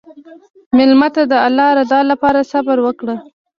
مېلمه ته د الله رضا لپاره صبر وکړه.